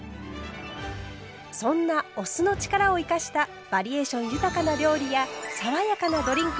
そんなお酢の力を生かしたバリエーション豊かな料理や爽やかなドリンク